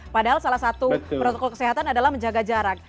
padahal salah satu protokol kesehatan adalah menjaga jarak